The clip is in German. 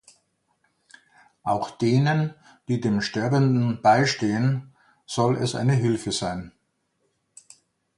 Auch denen, die dem Sterbenden beistehen, soll es eine Hilfe sein.